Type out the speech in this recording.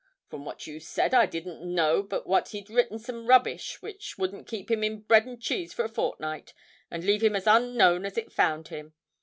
From what you said I didn't know but what he'd written some rubbish which wouldn't keep him in bread and cheese for a fortnight, and leave him as unknown as it found him.